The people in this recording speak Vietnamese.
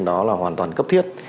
đó là hoàn toàn cấp thiết